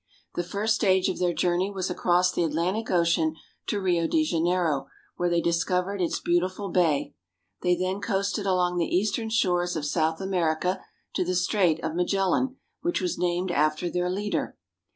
The first stage of their journey was across the Atlantic Ocean to Rio de Janeiro, where they discovered its beautiful bay. They then coasted along the eastern shores of South America to the Strait of Magellan, which was named after their leader.